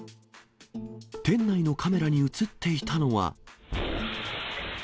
店内のカメラに写っていたのは。